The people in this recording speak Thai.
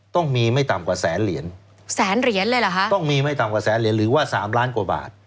ต้องมีไม่ต่ำกว่าแสนเหรียญต้องมีไม่ต่ำกว่าแสนเหรียญหรือว่า๓ล้านกว่าบาท